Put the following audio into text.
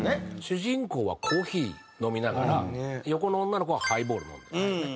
主人公はコーヒー飲みながら横の女の子はハイボール飲んでるんですよね。